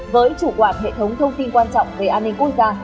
với chủ quản hệ thống thông tin quan trọng về an ninh quốc gia